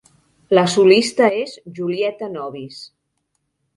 La solista és Julietta Novis.